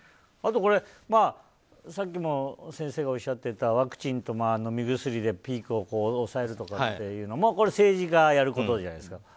あと、さっきも先生がおっしゃっていたワクチンと飲み薬でピークを抑えるとかっていうのも政治がやることじゃないですか。